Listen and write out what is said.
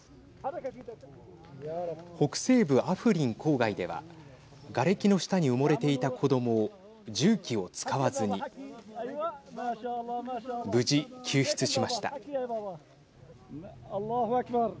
北西部アフリン郊外ではがれきの下に埋もれていた子どもを重機を使わずに無事、救出しました。